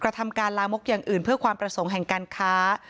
ทำการลามกอย่างอื่นเพื่อความประสงค์แห่งการค้า